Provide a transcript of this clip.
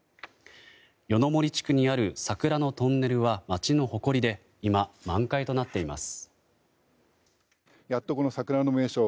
夜の森地区にある桜のトンネルは町の誇りで今、満開となっています。